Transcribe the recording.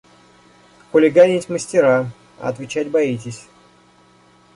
– Хулиганить мастера, а отвечать боитесь!